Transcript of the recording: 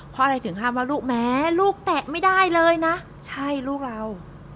เพราะอะไรถึงห้ามว่าลูกแม้ลูกแตะไม่ได้เลยนะใช่ลูกเรา